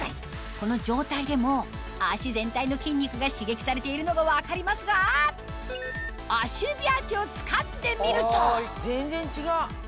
この状態でも足全体の筋肉が刺激されているのが分かりますが足指アーチをつかんでみると全然違う！